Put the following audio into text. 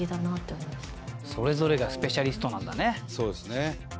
そうですね。